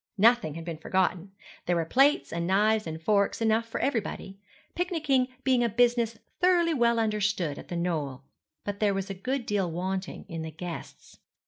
Nothing had been forgotten. There were plates and knives and forks enough for everybody picnicking being a business thoroughly well understood at The Knoll; but there was a good deal wanting in the guests.